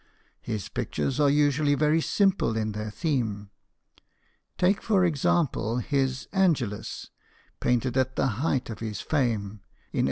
His pic tures are usually very simple in their theme ; take, for example, his " Angelus," painted at the height of his fame, in 1867.